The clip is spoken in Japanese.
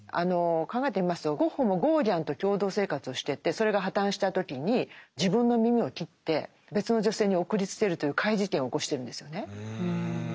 考えてみますとゴッホもゴーギャンと共同生活をしててそれが破綻した時に自分の耳を切って別の女性に送りつけるという怪事件を起こしてるんですよね。